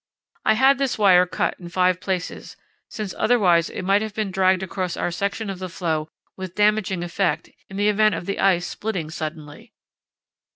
I had this wire cut in five places, since otherwise it might have been dragged across our section of the floe with damaging effect in the event of the ice splitting suddenly.